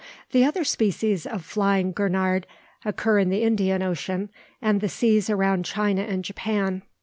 The other species of flying gurnard occur in the Indian Ocean and the seas around China and Japan.